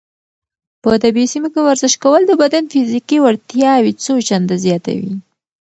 په طبیعي سیمو کې ورزش کول د بدن فزیکي وړتیاوې څو چنده زیاتوي.